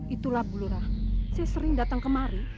itulah bulura saya sering datang kemari